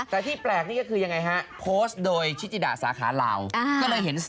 แต่ที่แปลกนี่ก็คือยังไงฮะโพสต์โดยชิจิดาลาวสถาบันพัฒนาศักยภาพการใช้สมองเด็กจากญี่ปุ่นสาขาประเทศลาว